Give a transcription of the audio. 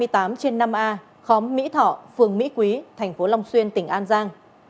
hai mươi tám trên năm a khóm mỹ thọ phường mỹ quý thành phố long xuyên tỉnh an giang